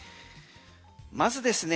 まずですね